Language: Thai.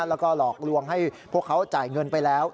แล้วก็หลอกลวงให้พวกเขาจ่ายเงินไปแล้ว